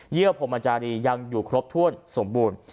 เยื่อผมอาจารย์ยังอยู่ครบถ้วนสมบูรณ์